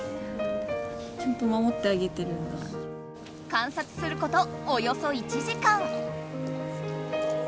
観察することおよそ１時間。